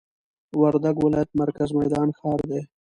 وردګ ولايت مرکز میدان ښار دي